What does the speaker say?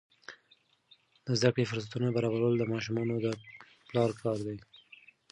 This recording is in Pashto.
د زده کړې فرصتونه برابرول د ماشومانو د پلار کار دی.